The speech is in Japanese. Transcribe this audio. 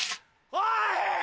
おい！